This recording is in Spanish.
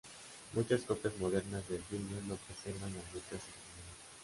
Muchas copias modernas del filme no preservan las letras originales.